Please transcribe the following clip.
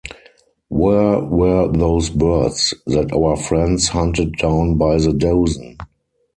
Where were those birds that our friends hunted down by the dozen?